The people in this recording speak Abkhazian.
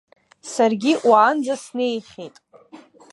Саргьы уаанӡа снеихьеит.